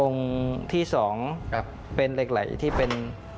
องค์ที่สองเป็นเหล็กไหล่ที่เป็น